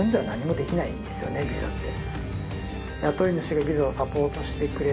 ビザって。